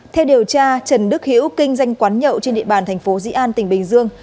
theo điều tra trần đức hiễu kinh doanh quán nhậu trên địa bàn thành phố dĩ an tỉnh bình dương